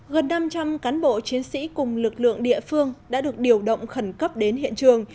gần năm trăm linh cán bộ chiến sĩ cùng lực lượng địa phương đã được điều động khẩn cấp đến hiện trường